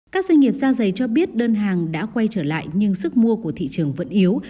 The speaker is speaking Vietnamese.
các doanh nghiệp da dày cho biết đơn hàng đã quay trở lại nhưng sức mua của thị trường vẫn yếu